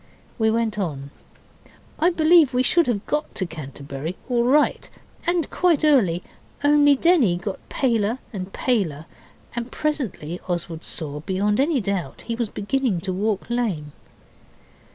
We went on. I believe we should have got to Canterbury all right and quite early, only Denny got paler and paler, and presently Oswald saw, beyond any doubt, that he was beginning to walk lame.